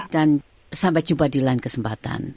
sampai jumpa di lain kesempatan